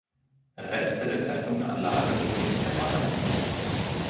Reste der Festungsanlage sind nicht mehr vorhanden.